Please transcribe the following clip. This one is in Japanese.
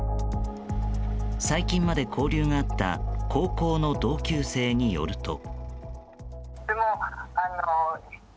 最近まで交流があった高校の同級生によると。